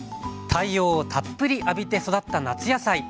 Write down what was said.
太陽をたっぷり浴びて育った夏野菜。